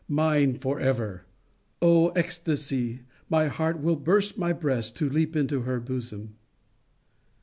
Mine for ever! O ecstasy! My heart will burst my breast, To leap into her bosom!